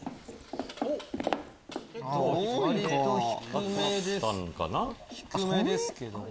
割と低めですけども。